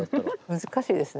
難しいですね。